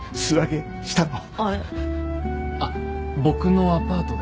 あっ僕のアパートで。